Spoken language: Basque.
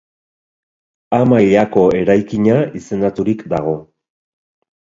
A mailako eraikina izendaturik dago.